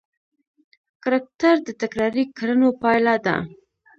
کرکټر د تکراري کړنو پایله ده.